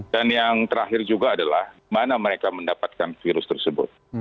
dan yang terakhir juga adalah mana mereka mendapatkan virus tersebut